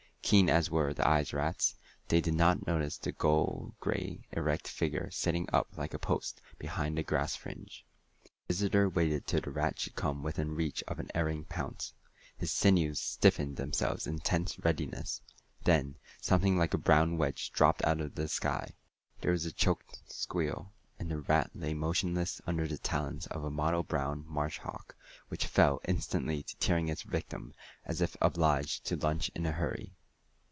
Keen as were the rat's eyes, they did not notice the ghost gray erect figure sitting up like a post beside the grass fringe. The Visitor waited till the rat should come within reach of an unerring pounce. His sinews stiffened themselves in tense readiness. Then something like a brown wedge dropped out of the sky. There was a choked squeal, and the rat lay motionless under the talons of a mottle brown marsh hawk, which fell instantly to tearing its victim, as if obliged to lunch in a hurry.